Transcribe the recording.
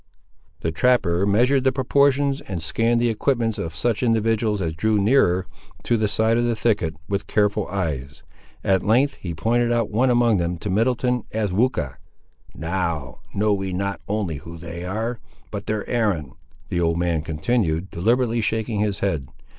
The trapper measured the proportions, and scanned the equipments of such individuals as drew nearer to the side of the thicket, with careful eyes. At length he pointed out one among them, to Middleton, as Weucha. "Now, know we not only who they are, but their errand," the old man continued, deliberately shaking his head.